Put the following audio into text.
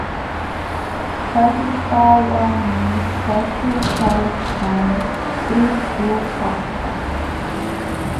Kallpawanmi saćhuykalkan trigukaqta.